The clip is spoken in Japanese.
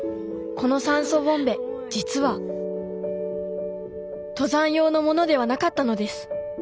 この酸素ボンベ実は登山用のものではなかったのです。